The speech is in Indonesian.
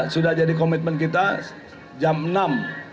sudah jadi komitmen kita jam enam